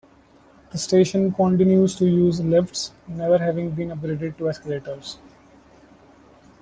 The station continues to use lifts, never having been upgraded to escalators.